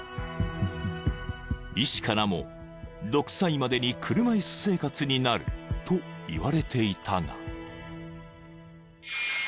［医師からも６歳までに車椅子生活になると言われていたが］